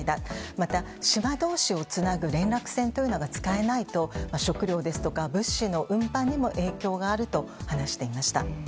また島どうしをつなぐ連絡船というのが使えないと、食料ですとか、物資の運搬にも影響があると話していました。